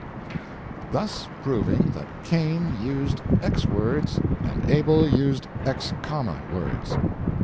Thus proving that Cain used x words and Abel used x, words.